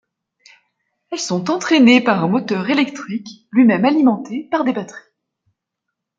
Elles sont entrainées par un moteur électrique, lui-même alimentée par des batteries.